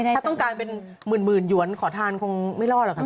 ถ้าต้องการเป็นหมื่นหยวนขอทานคงไม่รอดหรอกครับ